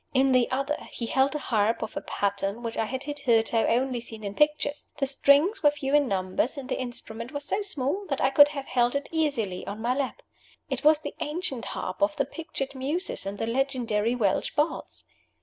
In the other he held a harp of a pattern which I had hitherto only seen in pictures. The strings were few in number, and the instrument was so small that I could have held it easily on my lap. It was the ancient harp of the pictured Muses and the legendary Welsh bards.